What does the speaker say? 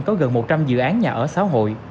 có gần một trăm linh dự án nhà ở xã hội